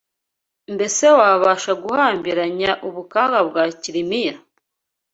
Mbese wabasha guhambiranya ubukaga bwa Kilimiya?